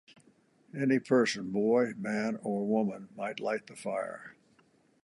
Any person, boy, man, or woman, might light the fire.